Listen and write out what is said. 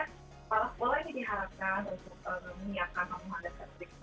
kepala sekolah ini diharapkan untuk memunyakan pengumuman dan strategi